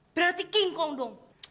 berarti king kong dong